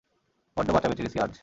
বড্ড বাঁচা বেঁচে গেছি আজ!